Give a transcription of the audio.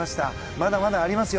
まだまだありますよ。